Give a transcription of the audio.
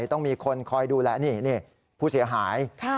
ต้องมีคนคอยดูแลนี่ผู้เสียหาย